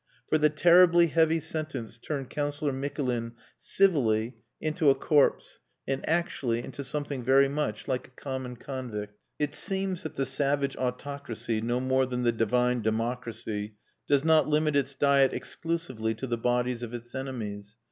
For the terribly heavy sentence turned Councillor Mikulin civilly into a corpse, and actually into something very much like a common convict. It seems that the savage autocracy, no more than the divine democracy, does not limit its diet exclusively to the bodies of its enemies.